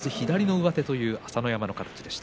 今日、右四つ左上手という朝乃山の形でした。